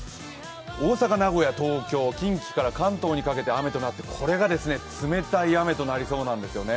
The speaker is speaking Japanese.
大阪、名古屋、東京、近畿から関東にかけて雨になって、これが冷たい雨となりそうなんですよね。